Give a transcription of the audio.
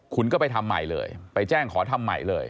คุณก็ไปทำใหม่เลยไปแจ้งขอทำใหม่เลย